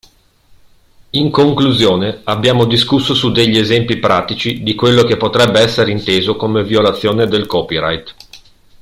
In conclusione, abbiamo discusso su degli esempi pratici di quello che potrebbe esser inteso come violazione del Copyright.